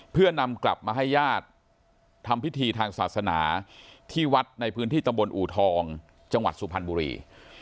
เพื่อนำกลับมาให้ญาติทำพิธีทางศาสนาที่วัดในพื้นที่ตำบลอูทองจังหวัดสุพรรณบุรี